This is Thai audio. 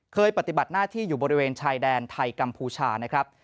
ปฏิบัติหน้าที่อยู่บริเวณชายแดนไทยกัมพูชานะครับ